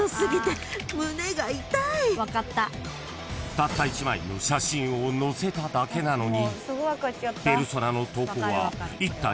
［たった一枚の写真を載せただけなのに］